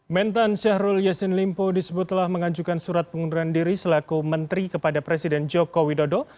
mentan syahrul yassin limpo disebut telah mengajukan surat pengunduran diri selaku menteri kepada presiden joko widodo